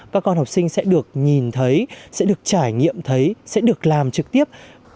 các con học sinh sẽ được nhìn thấy sẽ được trải nghiệm thấy sẽ được làm trực tiếp